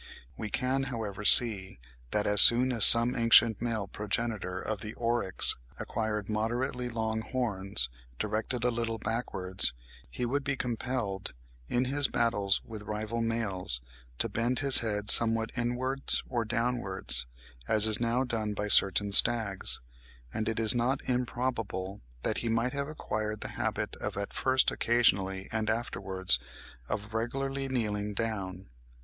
We can however see that, as soon as some ancient male progenitor of the Oryx acquired moderately long horns, directed a little backwards, he would be compelled, in his battles with rival males, to bend his head somewhat inwards or downwards, as is now done by certain stags; and it is not improbable that he might have acquired the habit of at first occasionally and afterwards of regularly kneeling down.